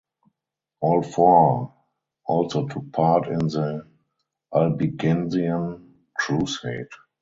All four also took part in the Albigensian Crusade.